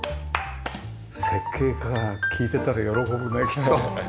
設計家が聞いてたら喜ぶねきっと。